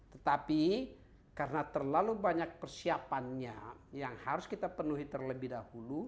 tetapi karena terlalu banyak persiapannya yang harus kita penuhi terlebih dahulu